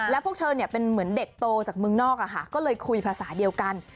แล้วพวกเธอเป็นเหมือนเด็กโตจากเมืองนอกก็เลยคุยภาษาเดียวกัน